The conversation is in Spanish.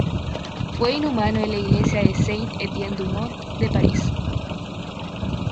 Fue inhumado en la iglesia de Saint-Étienne-du-Mont de París.